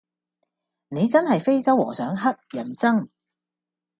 你真係非洲和尚乞人憎